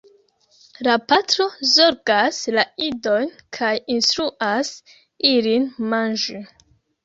La patro zorgas la idojn kaj instruas ilin manĝi.